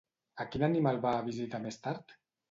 A quin animal va a visitar més tard?